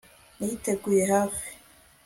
Niteguye hafi